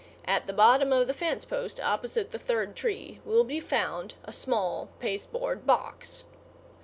At the bottom of the fence post, opposite the third tree, will be found a small pasteboard box.